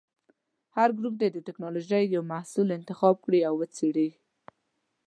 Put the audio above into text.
هر ګروپ دې د ټېکنالوجۍ یو محصول انتخاب کړي او وڅېړي.